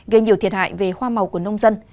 gây nhiều thiệt hại về hoa màu của nông dân